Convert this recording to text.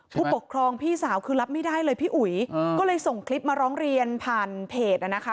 ผู้ปกครองพี่สาวคือรับไม่ได้เลยพี่อุ๋ยก็เลยส่งคลิปมาร้องเรียนผ่านเพจอ่ะนะคะ